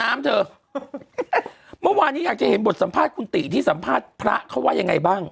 เธอเมื่อวานนี้อยากจะเห็นบทสัมภาษณ์คุณติที่สัมภาษณ์พระเขาว่ายังไงบ้าง